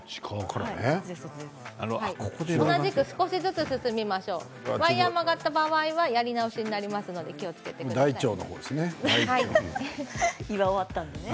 なるべく少しずつ進みましょうワイヤーが曲がった場合はやり直しになりますので大腸のほうですね。